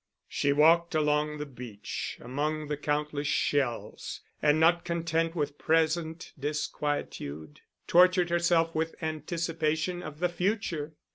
She walked along the beach, among the countless shells; and not content with present disquietude, tortured herself with anticipation of the future.